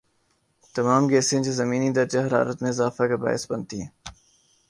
تمام گیسیں جو زمینی درجہ حرارت میں اضافے کا باعث بنیں